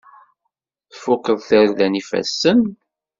Tfukeḍ tarda n yifassen?